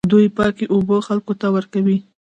دوی پاکې اوبه خلکو ته ورکوي.